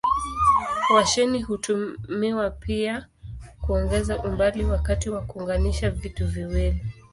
Washeli hutumiwa pia kuongeza umbali wakati wa kuunganisha vitu viwili.